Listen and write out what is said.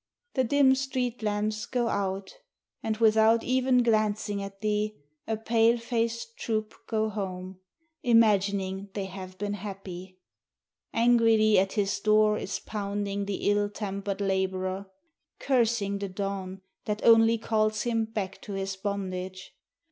The dim street lamps go out; and without even glancing at thee, A pale faced troop go home, imagining they have been happy. Angrily at his door is pounding the ill tempered laborer, Cursing the dawn that only calls him back to his bondage.